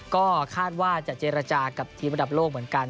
ก็คาดว่าจะเจรจากับทีมระดับโลกเหมือนกัน